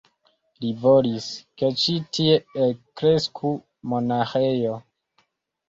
Li volis, ke ĉi tie elkresku monaĥejo.